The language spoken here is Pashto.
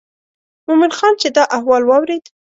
مومن خان چې دا احوال واورېد.